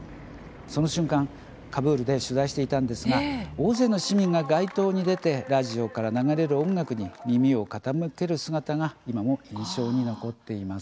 その瞬間、カブールで取材していたんですが大勢の市民が街頭に出てラジオから流れる音楽に耳を傾ける姿が今も印象に残っています。